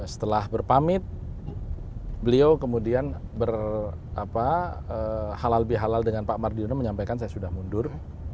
setelah berpamit beliau kemudian berhakal bihalal dengan pak mardiono menyampaikan saya sudah mundur